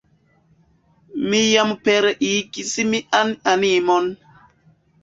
Mi jam pereigis mian animon!